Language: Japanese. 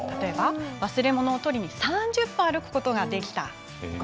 忘れ物を取りに３０分歩くことができた。